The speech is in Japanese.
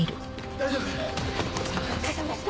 大丈夫ですか？